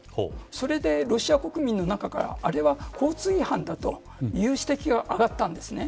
それで、ロシア国民の中からあれは交通違反だという指摘が上がったんですね。